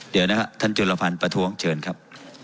เดี๋ยวนะครับท่านจุลภัณฑ์ประท้วงเชิญครับ